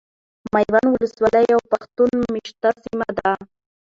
ميوند ولسوالي يو پښتون ميشته سيمه ده .